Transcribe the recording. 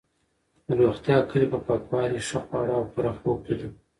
د روغتیا کلي په پاکوالي، ښه خواړه او پوره خوب کې ده.